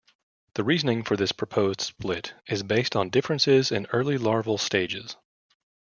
The reasoning for this proposed split is based on differences in early larval stages.